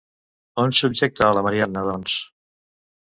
On subjecta a la Marianna, doncs?